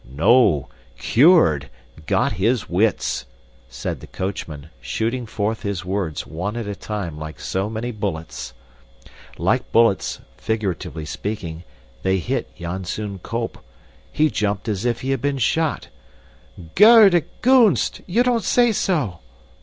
"No, CURED! Got his wits," said the coachman, shooting forth his words, one at a time, like so many bullets. Like bullets (figuratively speaking) they hit Janzoon Kolp. He jumped as if he had been shot. "Goede Gunst! You don't say so!"